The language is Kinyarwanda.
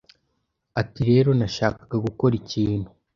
Ati Rero, nashakaga gukora ikintu